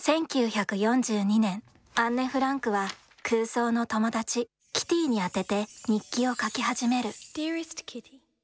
１９４２年、アンネ・フランクは、空想の友達、キティーに宛てて、日記を書き始める。